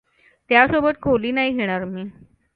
त्यासोबत खोली नाही घेणार मी.